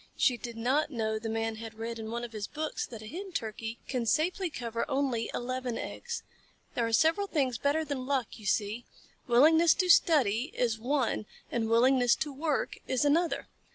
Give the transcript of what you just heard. She did not know the Man had read in one of his books that a Hen Turkey can safely cover only eleven eggs. There are several things better than luck, you see. Willingness to study is one and willingness to work is another.